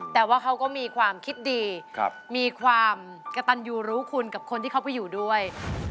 แต่ว่าเขาก็มีความคิดดีมีความกระตันยูรู้คุณกับคนที่เขาไปอยู่ด้วย